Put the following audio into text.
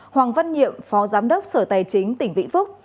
hoàng văn nhiệm phó giám đốc sở tài chính tỉnh vĩnh phúc